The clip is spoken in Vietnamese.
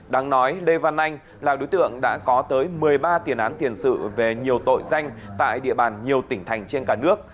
đáng nói lê văn anh là đối tượng đã có tới một mươi ba tiền án tiền sự về nhiều tội danh tại địa bàn nhiều tỉnh thành trên cả nước